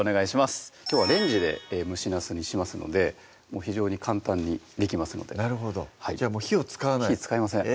きょうはレンジで「蒸しなす」にしますので非常に簡単にできますのでなるほどじゃあ火を使わない火使いません